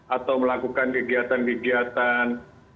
atau melakukan kegiatan kegiatan